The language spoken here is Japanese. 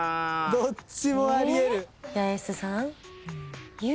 ・どっちもあり得る。